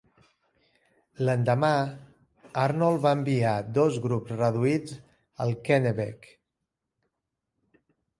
L'endemà, Arnold va enviar dos grups reduïts al Kennebec.